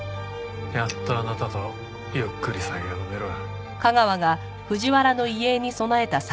やっとあなたとゆっくり酒が飲める。